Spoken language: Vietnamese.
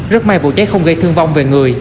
rất may vụ cháy không gây thương vong về người